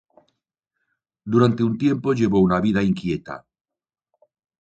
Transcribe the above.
Durante un tiempo llevó una vida inquieta.